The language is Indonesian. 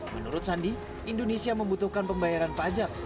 menurut sandi indonesia membutuhkan pembayaran pajak